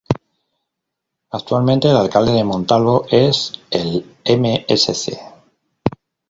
Actualmente el Alcalde de Montalvo es el Msc.